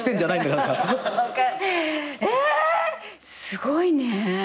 すごいね。